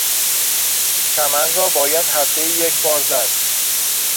چمن را باید هفتهای یکبار زد.